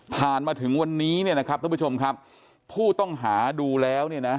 มาถึงวันนี้เนี่ยนะครับท่านผู้ชมครับผู้ต้องหาดูแล้วเนี่ยนะ